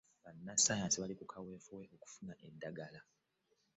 bannasayansi baali ku kaweefube okufuna eddagala